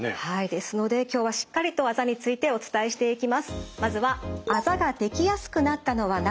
ですので今日はしっかりとあざについてお伝えしていきます。